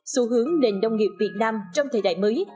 xu hướng nền nông nghiệp việt nam trong thời đại mới